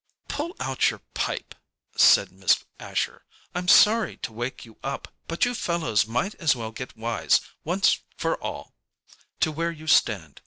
"Put out your pipe," said Miss Asher. "I'm sorry to wake you up, but you fellows might as well get wise, once for all, to where you stand.